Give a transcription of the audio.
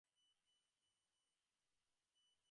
আমরা ছোট্ট একটা খেলা খেলবো।